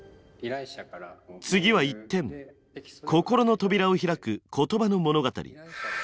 次は一転こころの扉を開く言葉の物語。